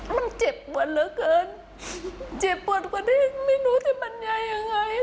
มันเจ็บปวดเหลือเกินเจ็บปวดกว่าดิ้งไม่รู้จะบรรยายยังไง